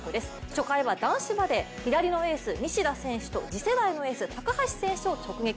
初回は男子バレー、左のエース、西田選手と次世代のエース・高橋選手を直撃。